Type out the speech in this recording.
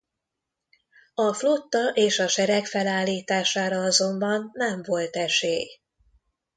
A flotta és a sereg felállítására azonban nem volt esély.